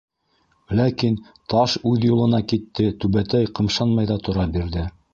Ләкин таш үҙ юлына китте, түбәтәй ҡымшанмай тора бирҙе.